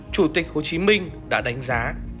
chủ tịch hồ chí minh đã đánh giá